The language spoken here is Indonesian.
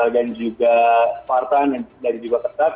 dan juga partan dan juga ketat